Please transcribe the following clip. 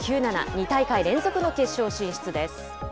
２大会連続の決勝進出です。